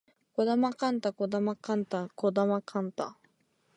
児玉幹太児玉幹太児玉幹太